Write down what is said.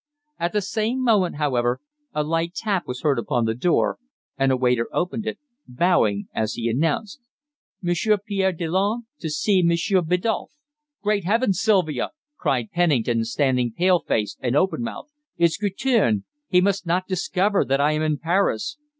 At the same moment, however, a light tap was heard upon the door and a waiter opened it, bowing as he announced "Monsieur Pierre Delanne to see Monsieur Biddulph." "Great Heavens, Sylvia!" cried Pennington, standing pale faced and open mouthed. "It's Guertin! He must not discover that I am in Paris!"